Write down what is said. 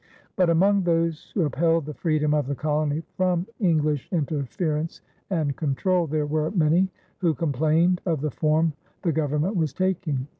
But among those who upheld the freedom of the colony from English interference and control there were many who complained of the form the government was taking.